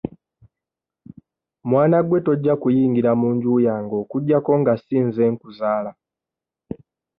Mwana gwe tojja kuyingira mu nju yange okuggyako nga si nze nkuzaala.